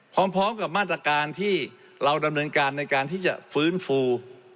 พร้อมกับมาตรการที่เราดำเนินการในการที่จะฟื้นฟู